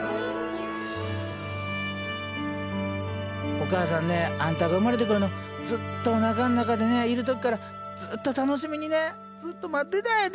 お母さんねあんたが産まれてくるのずっとおなかん中でねいる時からずっと楽しみにねずっと待ってたんやで。